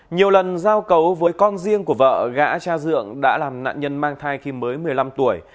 nhiều lần giao cấu với con riêng của vợ gã cha dượng đã làm nạn nhân mang thai khi mới một mươi năm tuổi